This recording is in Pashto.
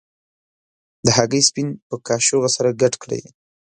د هګۍ سپین په کاشوغه سره ګډ کړئ.